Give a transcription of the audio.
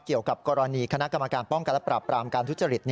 เกี่ยวกับกรณีคณะกรรมการป้องกันและปรับปรามการทุจริต